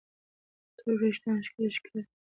تور وېښتيان ښکلي ښکاري.